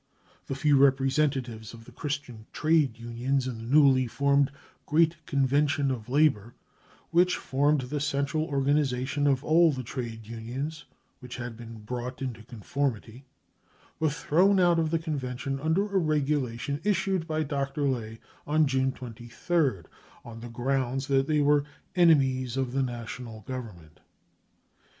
The few representatives of the Christian trade unions in the newly formed " Great Convention of Labour 99 which formed the central ' organis ation of all the trade unions which had been " brought into conformity, 99 were thrown out of the Convention under a regulation issued by Dr. Ley on June 23rd, on the ground that they were " enemies of the National Government."